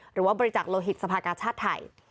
หรือว่าบริจาคโลหิตสภากาชาติไทย